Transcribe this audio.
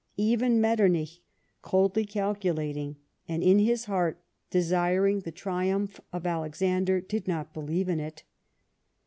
Even Metternich, coldly calcu lating, and in his heart desiring the triumph of Alexander, did not believe in it.